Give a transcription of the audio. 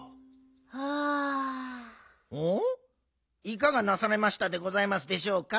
いかがなされましたでございますでしょうか？